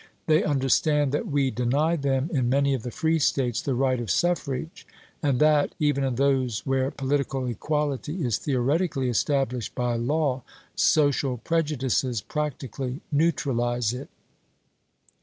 They understand that we deny them in many of the free States the right of suffrage, and that, even in those where political equality is theoretically established by law, social prejudices toL?icoin, practically neutralize it."